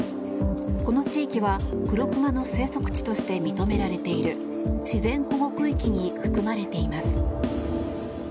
この地域は、クロクマの生息地として認められている自然保護区域に含まれています。